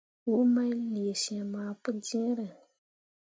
Huu main lee syem ah pǝjẽe.